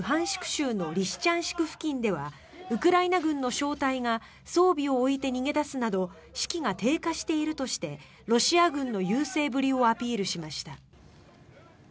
州のリシチャンシク付近ではウクライナ軍の小隊が装備を置いて逃げ出すなど士気が低下しているとしてロシア軍の優勢ぶりをアピールしました。